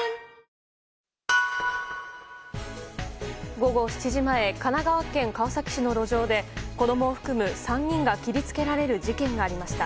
午後７時前神奈川県川崎市の路上で子供を含む３人が切りつけられる事件がありました。